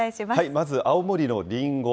まず、青森のりんご。